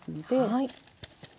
はい。